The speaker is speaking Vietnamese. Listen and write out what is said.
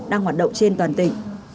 đang hoạt động trên toàn tỉnh